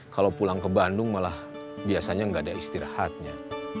kalau pulang ke bandung malah biasanya nggak ada istirahatnya